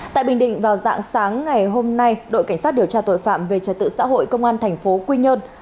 tại bình định vào dạng sáng ngày hôm nay đội cảnh sát điều tra tội phạm về trật tự xã hội công an thành phố quy nhơn